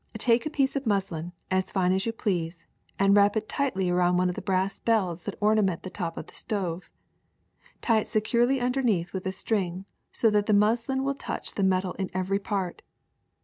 Take a piece of muslin, as fine as you please, and wrap it tightly around one of the brass balls that ornament the top of the stove. Tie it securely underneath with a string so that the muslin will touch the metal in every part.